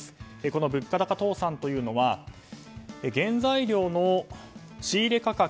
この物価高倒産というのは原材料の仕入れ価格